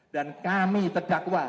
dan kami terdakwa